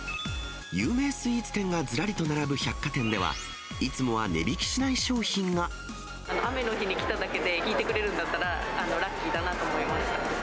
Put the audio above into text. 有名スイーツ店がずらりと並ぶ百貨店では、雨の日に来ただけで引いてくれるんだったら、ラッキーだなと思いました。